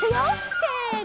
せの！